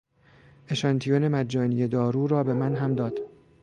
اشانتیون مجانی دارو را به من هم داد.